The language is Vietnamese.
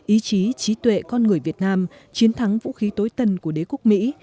ý chí trí tuệ con người việt nam chiến thắng vũ khí tối tân của đế quốc mỹ